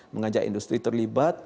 mengajak industri terlibat